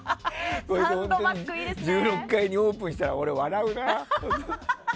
１６階にオープンしたら俺、笑うな。